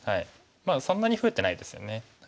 そんなに増えてないですよね。